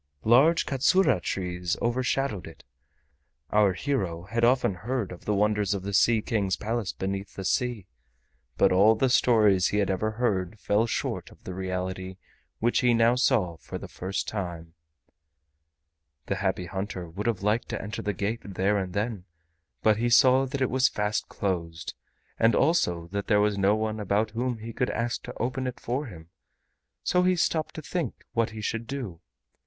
Large katsura trees overshadowed it. Our hero had often heard of the wonders of the Sea King's Palace beneath the sea, but all the stories he had ever heard fell short of the reality which he now saw for the first time. The Happy Hunter would have liked to enter the gate there and then, but he saw that it was fast closed, and also that there was no one about whom he could ask to open it for him, so he stopped to think what he should do.